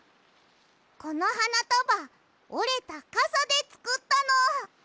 このはなたばおれたカサでつくったの！